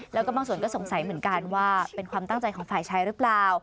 แล้วก็บางส่วนก็สงสัยเหมือนกันว่าเป็นความตั้งใจของฝ่ายชายหรือเปล่า